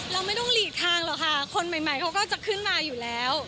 เราไม่ต้องหลีกทางหรอกค่ะคนใหม่เขาก็จะขึ้นมาอยู่แล้ว